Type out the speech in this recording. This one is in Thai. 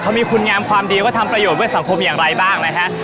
เขามีคุณงามความดีแล้วก็ทำประโยชน์ด้วยสังคมอย่างไรบ้างนะครับ